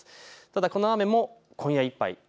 ただこの雨も今夜いっぱい。